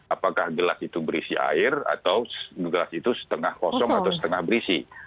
apakah gelas itu berisi air atau gelas itu setengah kosong atau setengah berisi